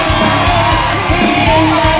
ด้านเหลือมา